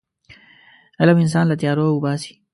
علم انسان له تیارو وباسي.